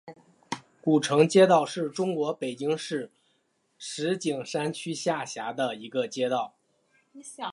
古城街道是中国北京市石景山区下辖的一个街道。